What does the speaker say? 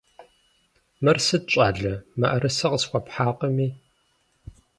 Мыр сыт, щӀалэ, мыӀэрысэ къысхуэпхьакъыми?